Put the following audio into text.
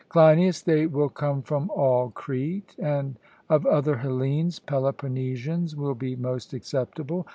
CLEINIAS: They will come from all Crete; and of other Hellenes, Peloponnesians will be most acceptable.